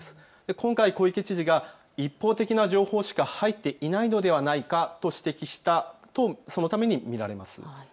今回、小池知事が一方的な情報しか入っていないのではないかと指摘したのもそのためと見られます。